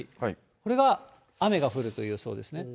これが雨が降るという予想ですね。